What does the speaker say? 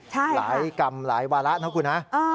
หลายกรรมหลายวาระนะคุณฮะ